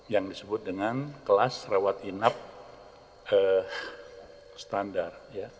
yang disebut dengan kelas rewat inap standar